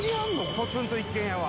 ポツンと一軒家は。